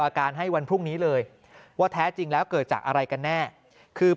อาการให้วันพรุ่งนี้เลยว่าแท้จริงแล้วเกิดจากอะไรกันแน่คือ